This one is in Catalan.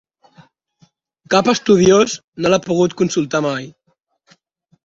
Cap estudiós no l'ha pogut consultar mai.